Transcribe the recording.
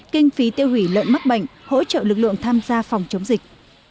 kinh phí tiêu hủy lợn mắc bệnh hỗ trợ lực lượng tham gia phòng chống dịch